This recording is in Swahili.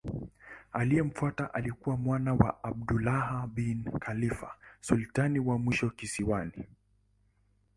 Aliyemfuata alikuwa mwana wake Abdullah bin Khalifa sultani wa mwisho kisiwani.